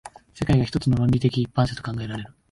世界が一つの論理的一般者と考えられる。